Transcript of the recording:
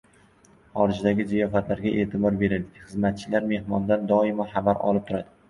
Horijdagi ziyofatlarga e’tibor beraylik: xizmatchilar mehmondan doimo xabar olib turadilar